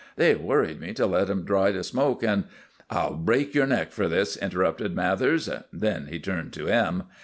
They worried me to let them try to smoke, and " "I'll break your neck for this!" interrupted Mathers. Then he turned to M.